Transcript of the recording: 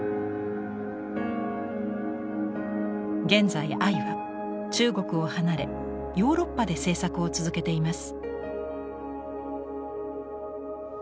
現在アイは中国を離れヨーロッパで制作を続けています。